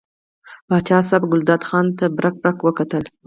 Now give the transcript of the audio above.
پاچا صاحب ګلداد خان ته برګ برګ وکتل.